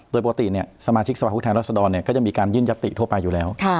โดยปกติสมาชิกสภาพผู้แทนรัศดรก็จะมีการยื่นยัตติทั่วไปอยู่แล้ว